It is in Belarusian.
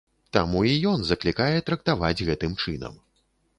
Таму і ён заклікае трактаваць гэтым чынам.